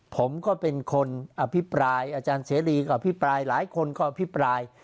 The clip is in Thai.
ผมก็เป็นคนอภิปรายอาจารย์เสรีก็อภิปรายหลายคนก็อภิปราย